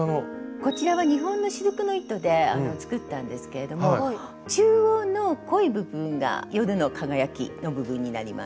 こちらは日本のシルクの糸で作ったんですけれども中央の濃い部分が夜の輝きの部分になります。